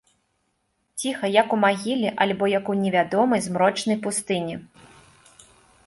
Ціха, як у магіле альбо як у невядомай змрочнай пустыні.